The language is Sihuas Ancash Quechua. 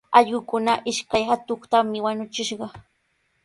Allquukunaqa ishkay atuqtami wañuchishqa.